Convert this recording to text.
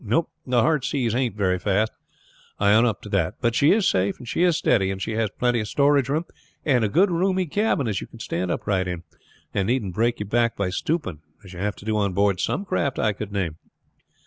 No, the Heartsease ain't very fast, I own up to that; but she is safe and steady, and she has plenty of storage room and a good roomy cabin as you can stand upright in, and needn't break your back by stooping as you have to do on board some craft I could name."